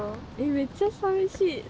めっちゃ寂しい。